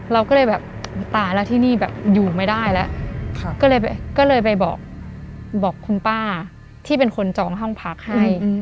เราก็เลยแบบตายแล้วที่นี่แบบอยู่ไม่ได้แล้วก็เลยไปบอกคุณป้าที่เป็นคนจองห้องพักให้